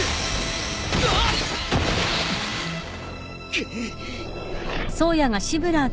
くっ！